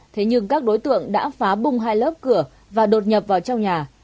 thế nhưng các đối tượng đã phá bung hai lớp cửa và đột nhập vào trong nhà